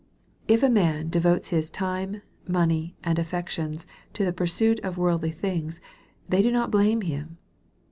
If a man devotes his time, money, and affections to the pursuit of worldly things, they do not blame him.